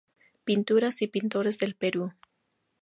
Pinturas y Pintores del Perú.